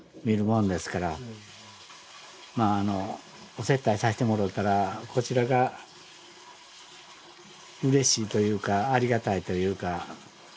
お接待さしてもろうたらこちらがうれしいというかありがたいというか